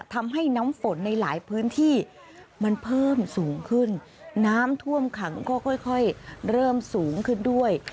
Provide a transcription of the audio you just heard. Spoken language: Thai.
ทำให้น้ำฝนในหลายพื้นที่มันเพิ่มสูงขึ้นน้ำท่วมขังก็ค่อยเริ่มสูงขึ้นด้วย